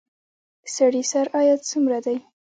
د سړي سر عاید څومره دی؟